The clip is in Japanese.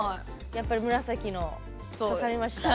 やっぱり紫の刺さりました？